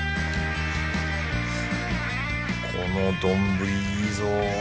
この丼いいぞ。